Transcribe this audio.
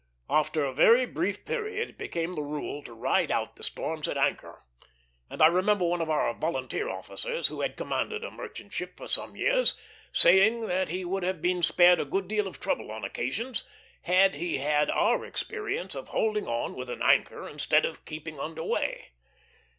After a very brief period, it became the rule to ride out the storms at anchor; and I remember one of our volunteer officers, who had commanded a merchant ship for some years, saying that he would have been spared a good deal of trouble, on occasions, had he had our experience of holding on with an anchor instead of keeping under way.